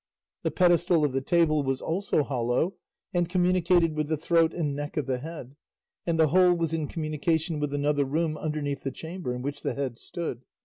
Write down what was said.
The pedestal of the table was also hollow and communicated with the throat and neck of the head, and the whole was in communication with another room underneath the chamber in which the head stood.